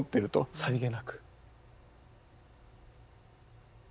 さりげなく。